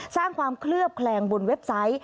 สร้างความเคลือบแคลงบนเว็บไซต์